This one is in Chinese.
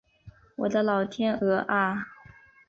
我的老天鹅啊